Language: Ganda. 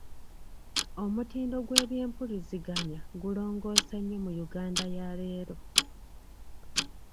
Omutindo gw’eby’empuliziganya gulongoose nnyo mu Yuganda ya leero.